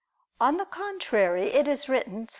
On the contrary, It is written (Ps.